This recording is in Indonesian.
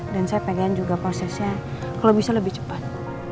dan saya pengen juga prosesnya kalau bisa lebih cepat